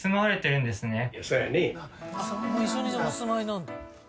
一緒にお住まいなんだ。